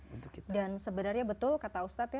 dan sebenarnya betul kata ustaz